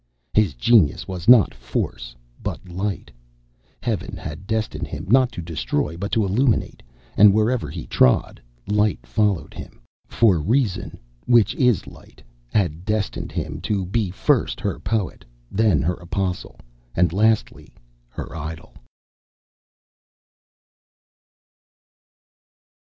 His genius was not force but light. Heaven had destined him not to destroy but to illuminate, and wherever he trod, light followed him, for Reason (which is light) had destined him to be first her poet, then her apostle, and lastly her idol."